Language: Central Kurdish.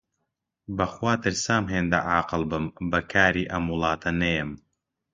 بە خوا ترسام هێندە عاقڵ بم، بە کاری ئەم وڵاتە نەیەم!